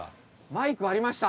マイクありました。